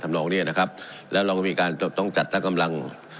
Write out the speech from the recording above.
นองเนี้ยนะครับแล้วเราก็มีการต้องจัดตั้งกำลัง